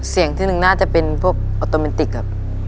เสียงที่หนึ่งน่าจะเป็นพวกออโตเมนติกอะ